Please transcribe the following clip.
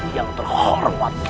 yang terhormat kicurali